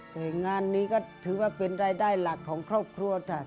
แต่งานนี้ก็ถือว่าเป็นรายได้หลักของครอบครัวจ้ะ